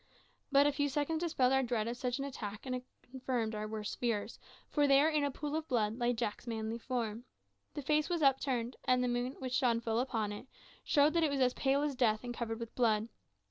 But a few seconds dispelled our dread of such an attack and confirmed our worst fears, for there, in a pool of blood, lay Jack's manly form. The face was upturned, and the moon, which shone full upon it, showed that it was pale as death and covered with blood.